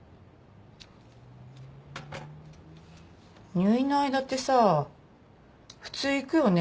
入院の間ってさ普通行くよね？